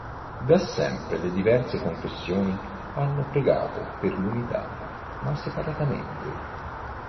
Da sempre le diverse confessioni hanno pregato per l'unità, ma separatamente.